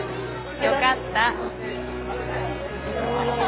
よかった。